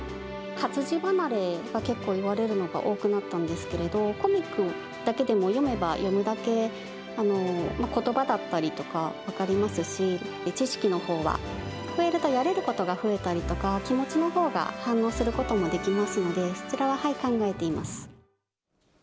活字離れが結構いわれるのが多くなったんですけど、コミックだけでも読めば読むだけ、ことばだったりとか、分かりますし、知識のほうは増えると、やれることが増えたりとか、気持ちのほうが反応することもできますので、そちらは考えています。